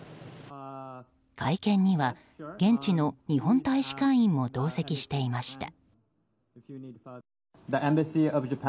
会見には現地の日本大使館員も同席していました。